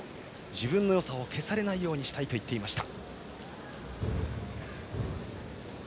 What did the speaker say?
自分のよさを消されないようにしたいと言っていました。